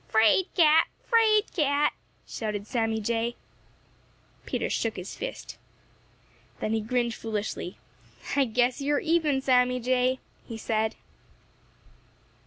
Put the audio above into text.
"Fraidcat! Fraidcat!" shouted Sammy Jay. Peter shook his fist. Then he grinned foolishly. "I guess you are even, Sammy Jay!" he said.